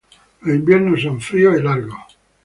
Los inviernos son fríos y largos.